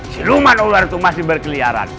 siluman ular itu masih berkeliaran